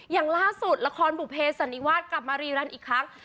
อย่างล่าสุดละครบุเภสันนิวาสกลับมารีรันอีกครั้ง